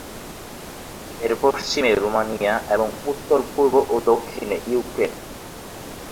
এর পশ্চিমে রোমানিয়া এবং উত্তর, পূর্ব ও দক্ষিণে ইউক্রেন।